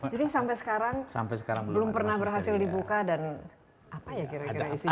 jadi sampai sekarang belum pernah berhasil dibuka dan apa ya kira kira isinya